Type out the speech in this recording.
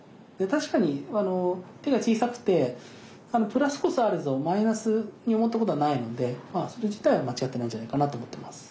確かに手が小さくてプラスこそあれマイナスに思ったことはないのでそれ自体は間違ってないんじゃないかなと思ってます。